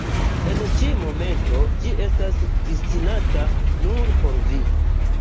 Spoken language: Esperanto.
En ĉi momento ĝi estas destinata nur por vi.